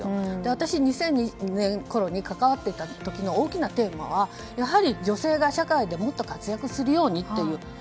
私、２００２年ごろに関わっていたころに大きなテーマはやはり、女性が社会でもっと活躍するようにという。